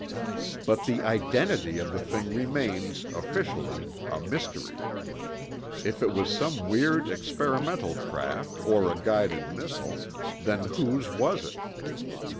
But the identity of the thing remains—officially—a mystery. If it was some weird experimental craft or a guided missile, then whose was it?